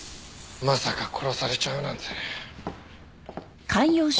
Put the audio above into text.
まさか殺されちゃうなんて。